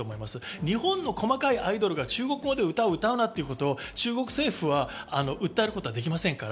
日本の細かいアイドルが中国語で歌を歌うなということを中国政府は訴えることはできませんから。